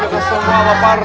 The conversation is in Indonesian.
kita semua lapar